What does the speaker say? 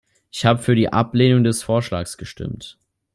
Ich habe für die Ablehnung des Vorschlags gestimmt.